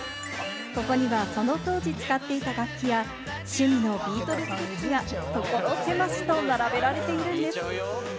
ここにはその当時使っていた楽器や趣味のビートルズグッズがところせましと並べられているんです。